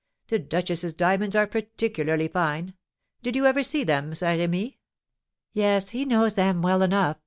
The duchess's diamonds are particularly fine. Did you ever see them, Saint Remy?" "Yes, he knows them well enough!"